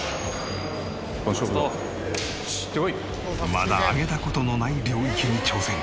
まだ挙げた事のない領域に挑戦。